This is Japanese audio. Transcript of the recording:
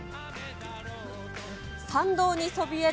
参道にそびえる